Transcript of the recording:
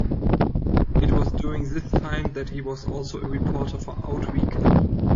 It was during this time that he was also a reporter for "OutWeek".